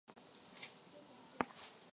yetu vinavyohusika na ukuzaji wa Kiswahili Kutoa